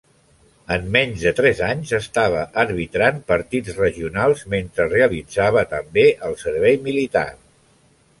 En menys de tres anys estava arbitrant partits regionals, mentre realitzava també el servei militar.